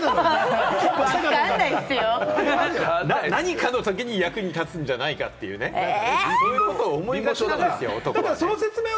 何かのときに役に立つんじゃないかというね、ということを思いがちなんですよ、男は。